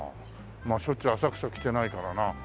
まあしょっちゅう浅草来てないからな。